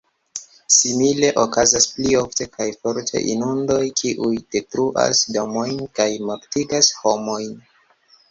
Simile okazas pli ofte kaj forte inundoj, kiuj detruas domojn kaj mortigas homojn.